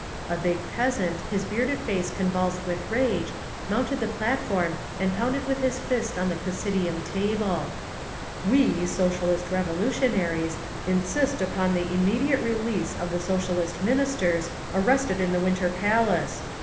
A big peasant, his bearded face convulsed with rage, mounted the platform and pounded with his fist on the presidium table. "We, Socialist Revolutionaries, insist upon the immediate release of the Socialist Ministers arrested in the Winter Palace!